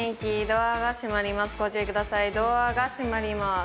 ドアが閉まります。